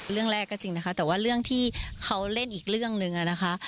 เรื่องแรกก็จริงนะคะแต่ว่าเรื่องที่เขาเล่นอีกเรื่องหนึ่งอะนะคะ